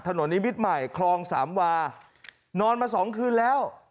ถนนอินวิทย์ใหม่ครองสามวานอนมาสองคืนแล้ว